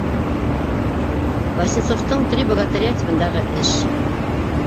Васнецовтың «Три богатыря» тибындағы эш.